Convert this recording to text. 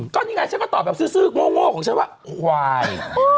เข้าก็ตอบแบบซื้อว่าควาย